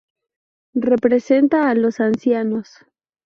Representa a los ancianos.